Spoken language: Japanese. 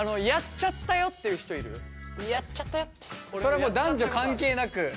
それはもう男女関係なく。